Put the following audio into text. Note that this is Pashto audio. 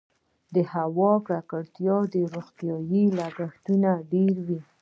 د هوا ککړتیا روغتیايي لګښتونه ډیروي؟